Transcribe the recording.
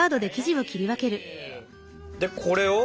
でこれを？